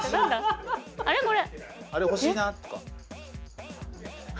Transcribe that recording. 「あれ欲しいな」とか。